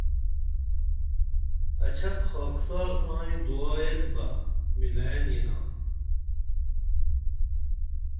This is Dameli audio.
اچھک خاکسار سائیں دعا ایس بہ مِلئین یینا